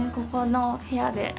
ここの部屋で。